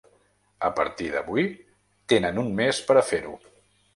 A partir d’avui, tenen un mes per a fer-ho.